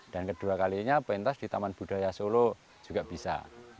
dan kedua kalinya pentas di taman budaya solo juga bisa